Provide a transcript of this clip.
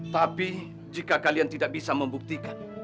tapi jika kalian tidak bisa membuktikan